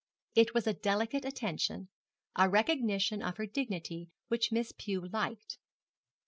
It was a delicate attention, a recognition of her dignity, which Miss Pew liked.